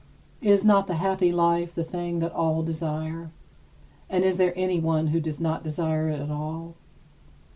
Is not the happy life the thing that all desire, and is there anyone who does not desire it at all?